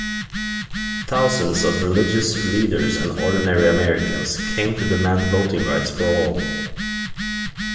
Thousands of religious leaders and ordinary Americans came to demand voting rights for all.